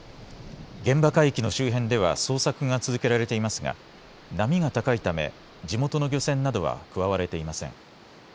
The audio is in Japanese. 現場海域の周辺では捜索が続けられていますが波が高いため地元の漁船などは加われていません。